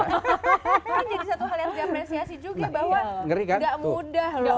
ini jadi satu hal yang diapresiasi juga bahwa gak mudah loh